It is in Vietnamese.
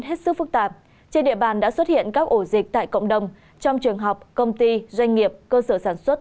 hết sức phức tạp trên địa bàn đã xuất hiện các ổ dịch tại cộng đồng trong trường học công ty doanh nghiệp cơ sở sản xuất